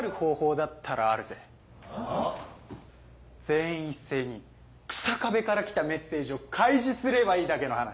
全員一斉に日下部から来たメッセージを開示すればいいだけの話。